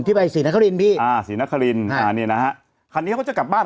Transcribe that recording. ไปศรีนครินพี่อ่าศรีนครินอ่านี่นะฮะคันนี้เขาก็จะกลับบ้าน